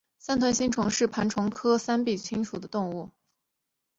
三臂星虫为孔盘虫科三臂星虫属的动物。